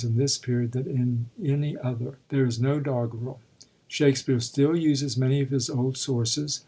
in this period than in any other ; there is no doggerel. Shakspere still uses many of his old sources.